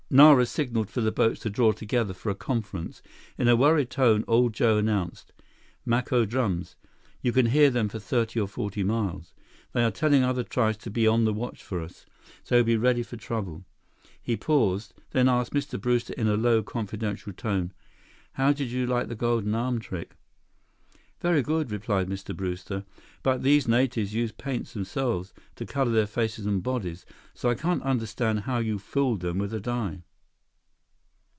Nara signaled for the boats to draw together for a conference. In a worried tone, old Joe announced: "Maco drums. You can hear them for thirty or forty miles. They are telling other tribes to be on the watch for us. So be ready for trouble." He paused, then asked Mr. Brewster in a low, confidential tone, "How did you like the golden arm trick?" "Very good," replied Mr. Brewster. "But these natives use paints themselves to color their faces and bodies, so I can't understand how you fooled them with a dye."